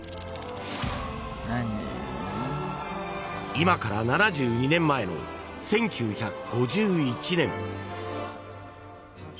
［今から７２年前の１９５１年］